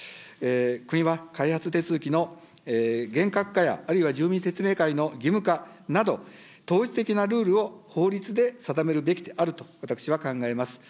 国は、開発手続きの厳格化や、あるいは住民説明会の義務化など、統一的なルールを法律で定めるべきであると私は考えます。